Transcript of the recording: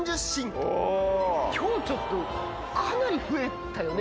今日ちょっとかなり増えたよね